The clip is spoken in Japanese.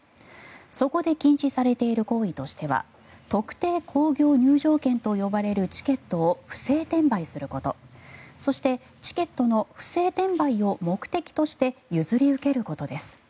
そこで禁止されている行為としては特定興行入場券と呼ばれるチケットを不正転売することそして、チケットの不正転売を目的として譲り受けることです。